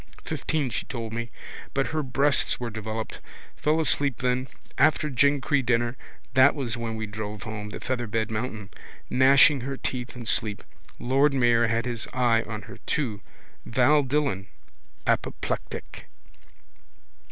Fifteen she told me. But her breasts were developed. Fell asleep then. After Glencree dinner that was when we drove home. Featherbed mountain. Gnashing her teeth in sleep. Lord mayor had his eye on her too. Val Dillon. Apoplectic.